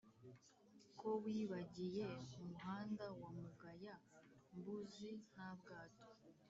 ko wigabiye muhanda wa mugaya-mbuzi nta bwato